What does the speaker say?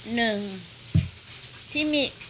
หนึ่งที่มี